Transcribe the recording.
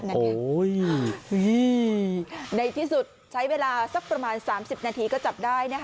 โหยยยยยยยยในที่สุดใช้เวลาประมาณ๓๐นาทีก็จับได้